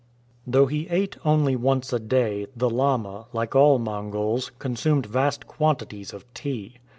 Though he ate only once a day, the lama, like all Mongols, consumed vast quantities of tea.